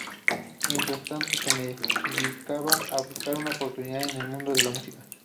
Mientras tanto se dedicaba a buscar una oportunidad en el mundo de la música.